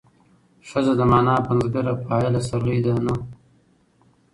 ښځه د مانا پنځګره فاعله سرلې ده نه